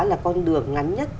là con đường ngắn nhất